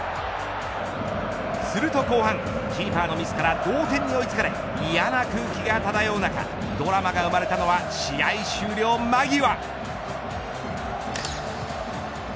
すると後半キーパーのミスから同点に追いつかれ嫌な空気が漂う中ドラマが生まれたのは試合終了間際。